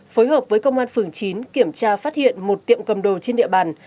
phối hợp với công an phường chín kiểm tra phát hiện một tiệm cầm đồ trên địa bàn